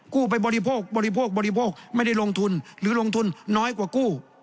กู้ไปบริโภคบริโภคบริโภคไม่ได้ลงทุนหรือลงทุนน้อยกว่ากู้